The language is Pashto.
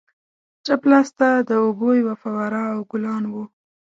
چپ لاسته د اوبو یوه فواره او ګلان وو.